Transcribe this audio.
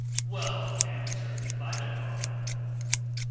"Well answered, by the Koran!"